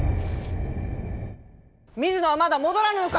水野はまだ戻らぬのか！